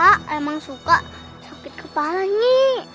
aa emang suka sakit kepalanya